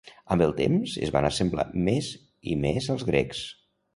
Amb el temps, es van assemblar més i més als grecs.